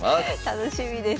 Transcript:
楽しみです。